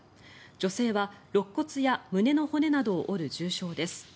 女性はろっ骨や胸の骨などを折る重傷です。